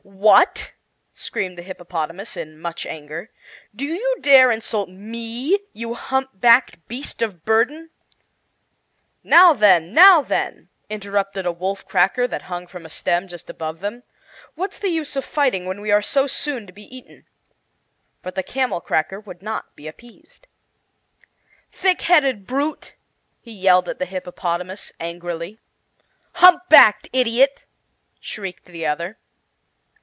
"What!" screamed the hippopotamus, in much anger, "do you dare insult me, you humpbacked beast of burden?" "Now then now then!" interrupted a wolf cracker that hung from a stem just above them; "what's the use of fighting, when we are so soon to be eaten?" But the camel cracker would not be appeased. "Thick headed brute!" he yelled at the hippopotamus, angrily. "Hump backed idiot!" shrieked the other.